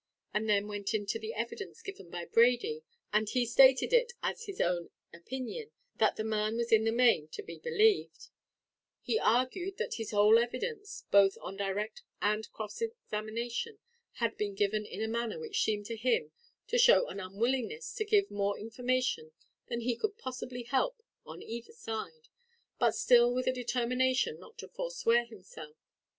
He then went into the evidence given by Brady, and he stated it as his own opinion, that the man was in the main to be believed; he argued that his whole evidence, both on direct and cross examination had been given in a manner which seemed to him to show an unwillingness to give more information than he could possibly help on either side but still with a determination not to forswear himself.